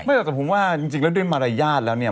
หรอกแต่ผมว่าจริงแล้วด้วยมารยาทแล้วเนี่ย